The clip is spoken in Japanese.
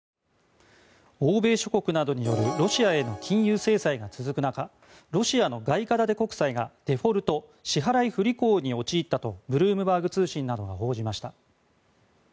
欧米諸国などによるロシアへの金融制裁が続く中ロシアの外貨建て国債がデフォルト・支払不履行に陥ったとブルームバーグ通信などが報じました。